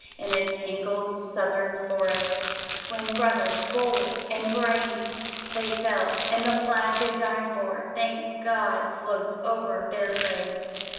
In a tangled Southern forest, Twin brothers bold and brave, They fell; and the flag they died for, Thank God! floats over their grave.